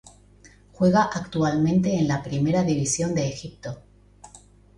Juega actualmente en la Primera División de Egipto.